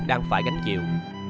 đang phải gánh chịu